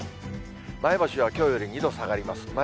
前橋はきょうより２度下がります。